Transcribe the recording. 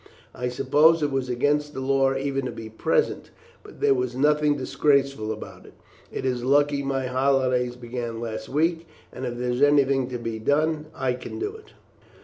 I suppose it was against the law even to be present, but there was nothing disgraceful about it. It is lucky my holidays began last week, and if there is anything to be done I can do it."